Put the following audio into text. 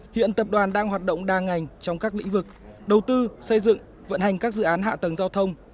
hiện tập đoàn đang hoạt động đa ngành trong các lĩnh vực đầu tư xây dựng vận hành các dự án hạ tầng giao thông